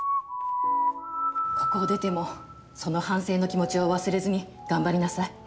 ここを出てもその反省の気持ちを忘れずに頑張りなさい。